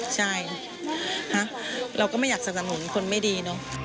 ใช่เราก็ไม่อยากสนับสนุนคนไม่ดีเนอะ